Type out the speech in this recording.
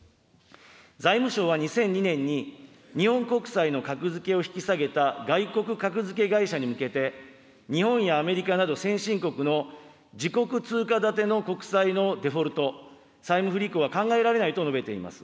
財務省は２００２年に、日本国債の格付けを引き下げた外国格付け会社に向けて、日本やアメリカなど先進国の自国通貨建ての国債のデフォルト・債務不履行は考えられないと述べています。